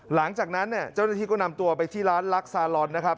หลังจากนั้นเนี่ยเจ้าหน้าที่ก็นำตัวไปที่ร้านลักษาลอนนะครับ